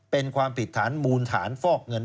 เป็นความผิดฐานมูลฐานฟอกเงิน